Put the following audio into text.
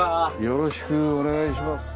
よろしくお願いします。